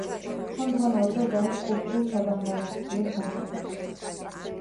ხელმძღვანელობდა ჯარის კულტურულ-საგანმანათლებლო სამსახურს.